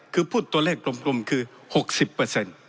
คือพูดตัวเลขกลมคือ๖๐